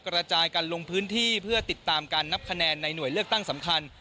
กระจายกันลงพื้นที่เพื่อติดตามการนับคะแนนในหน่วยเลือกตั้งสำคัญ